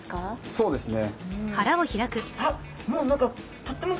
そうですね。